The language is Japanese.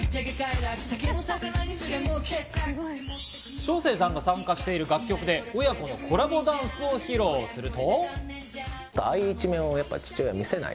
将清さんが参加してる楽曲で親子のコラボダンスを披露すると。